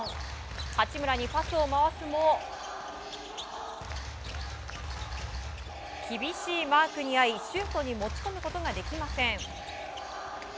八村にパスを回すも厳しいマークにあいシュートに持ち込むことができません。